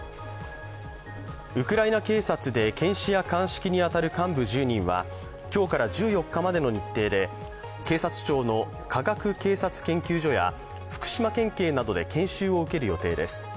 ウクライナ警察で検視や鑑識に当たる幹部１０人は今日から１４日までの日程で警察庁の科学警察研究所や福島県警などで研修を受ける予定です。